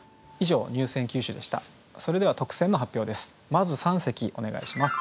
まず三席お願いします。